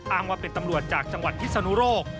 อ้างว่าเป็นตำรวจจากจังหวัดพิศนุโรค